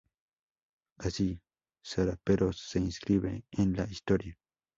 Así Saraperos se inscribe en la historia.